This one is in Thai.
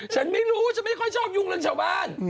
ฉันไม่รู้ฉันไม่ค่อยชอบยุ่งเรื่องชาวบ้าน